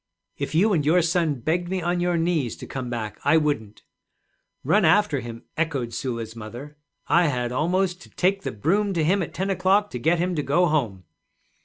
'If you and your son begged me on your knees to come back, I wouldn't.' 'Run after him!' echoed Sula's mother. 'I had almost to take the broom to him at ten o'clock to get him to go home!'